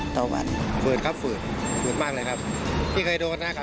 ขอสั่งสร้างจากถ่ายอย่างว่า